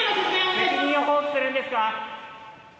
責任を放棄するんですか？